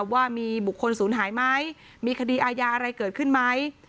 ว่ามีบุคคลศูนย์หายไหมมีคดีอาญาอะไรเกิดขึ้นไหม